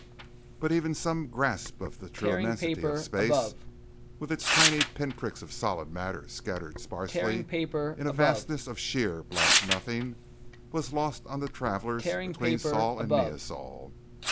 But even some grasp of the true immensity of space, with its tiny pinpricks of solid matter scattered sparsely in a vastness of sheer, black nothing, was lost on the travellers between Sol and Neosol.